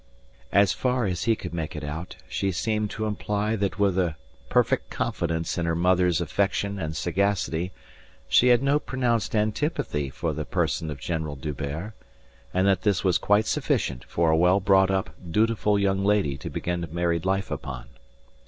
As far as he could make it out she seemed to imply that with a perfect confidence in her mother's affection and sagacity she had no pronounced antipathy for the person of General D'Hubert; and that this was quite sufficient for a well brought up dutiful young lady to begin married life upon.